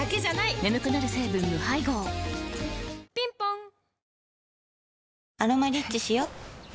眠くなる成分無配合ぴんぽん「アロマリッチ」しよ